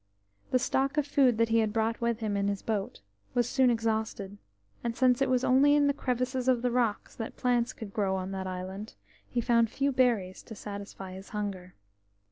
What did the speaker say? The stock of food that he had brought with him in the boat was soon exhausted, and since it was only in the crevices of the rocks that plants could grow on that island, he found few berries to satisfy his hunger.